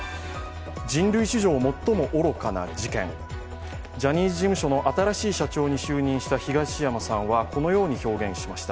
人類史上最も愚かな事件、ジャニーズ事務所の新しい社長に就任した東山さんは、このように表現しました。